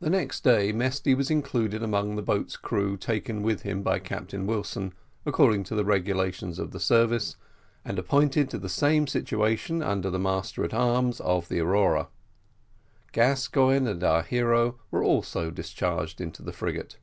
The next day Mesty was included among the boat's crew taken with him by Captain Wilson, according to the regulations of the service, and appointed to the same situation under the master at arms of the Aurora. Gascoigne and our hero were also discharged into the frigate.